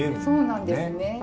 そうなんですね。